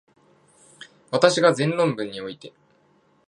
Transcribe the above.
私が前論文において、